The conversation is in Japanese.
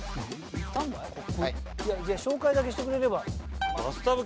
紹介だけしてくれれば。